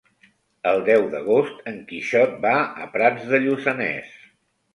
El deu d'agost en Quixot va a Prats de Lluçanès.